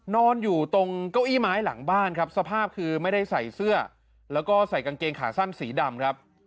นอนอยู่ตรงเก้าอี้ไม้หลังบ้านครับสภาพคือไม่ได้ใส่เสื้อแล้วก็ใส่กางเกงขาสั้นสีดำครับ